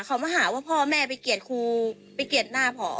เขามาหาว่าพ่อแม่ไปเกลียดครูไปเกลียดหน้าผอ